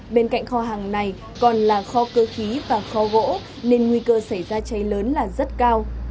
bên cạnh kho hàng này còn là kho cơ khí và kho gỗ nên nguy cơ xảy ra cháy lớn là rất cao